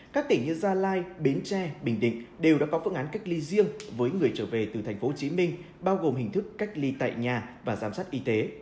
các tỉnh như gia lai bến tre bình định đều đã có phương án cách ly riêng với người trở về từ tp hcm bao gồm hình thức cách ly tại nhà và giám sát y tế